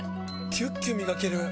キュッキュ磨ける！